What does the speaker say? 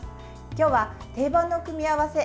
今日は定番の組み合わせ